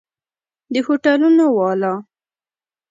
د هوټلونو والا!